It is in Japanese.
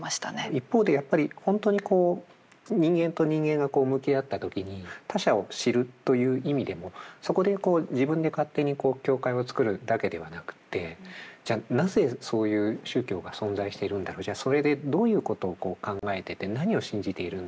一方でやっぱり本当に人間と人間が向き合った時に他者を知るという意味でもそこで自分で勝手に境界を作るだけではなくってじゃあなぜそういう宗教が存在しているんだろうじゃあそれでどういうことを考えてて何を信じているんだろうとか。